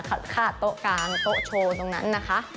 คาดโต๊ะกลางโต๊ะโชว์ตรงนั้นนะคะ